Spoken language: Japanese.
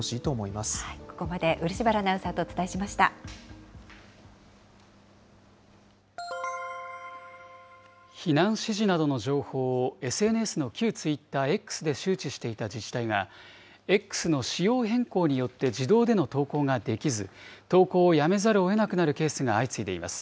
ここまで漆原アナウンサーと避難指示などの情報をＳＮＳの旧ツイッター、Ｘで周知していた自治体が、Ｘの仕様変更によって自動での投稿ができず、投稿をやめざるをえなくなるケースが相次いでいます。